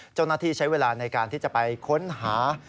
เจ้าหน้าที่ใช้เวลาในการที่จะไปค้นหา